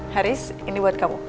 haris ini buat kamu